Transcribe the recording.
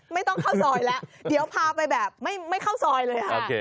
ไม่ต้องเข้าซอยแล้วเดี๋ยวพาไปแบบไม่เข้าซอยเลยค่ะ